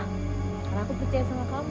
karena aku percaya sama kamu